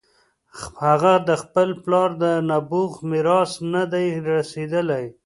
هغه د خپل پلار د نبوغ میراث نه دی رسېدلی.